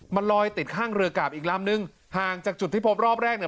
มันลอยติดข้างเรือกราบอีกลำนึงห่างจากจุดที่พบรอบแรกเนี่ย